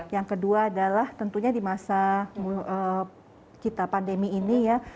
yang kedua adalah tentunya di masa kita pandemi ini ya